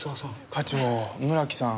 課長村木さん